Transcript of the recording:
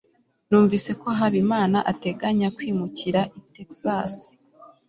numvise ko habimana ateganya kwimukira i texas